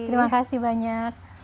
terima kasih banyak